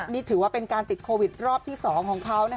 นี่ถือว่าเป็นการติดโควิดรอบที่๒ของเขา